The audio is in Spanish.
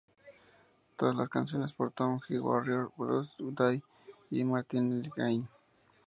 Todas las canciones por Tom G Warrior, Bruce Day y Martin Eric Ain.